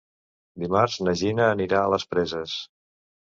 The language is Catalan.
Dimarts na Gina anirà a les Preses.